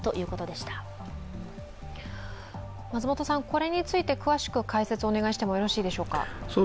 これについて詳しく解説をお願いしてもよろしいでしょうか。